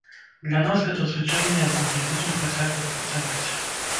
Для нас гэта звычайныя будні, будзем працягваць працаваць.